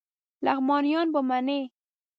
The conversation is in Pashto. لغمانیان به منی